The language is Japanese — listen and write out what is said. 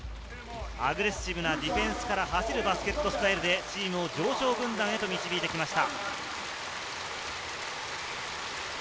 アグレッシブなディフェンスから走るバスケットスタイルでチームを常勝軍団へと導いてきました。